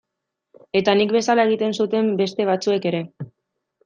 Eta nik bezala egiten zuten beste batzuek ere.